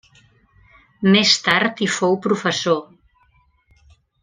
Més tard hi fou professor.